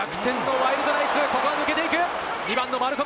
ただ逆転のワイルドナイツ、ここは抜けていく！